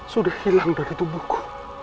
sudah hilang dari tubuhku